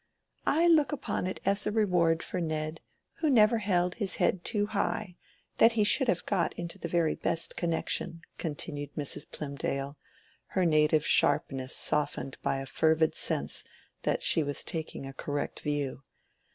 "I look upon it as a reward for Ned, who never held his head too high, that he should have got into the very best connection," continued Mrs. Plymdale, her native sharpness softened by a fervid sense that she was taking a correct view.